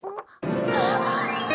あっ！